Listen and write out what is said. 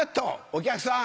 お客さん